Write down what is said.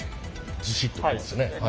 ずしっと来ますね。